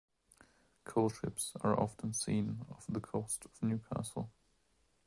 Coal ships are often seen off the coast of Newcastle.